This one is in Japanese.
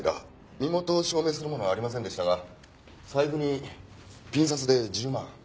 身元を証明するものはありませんでしたが財布にピン札で１０万。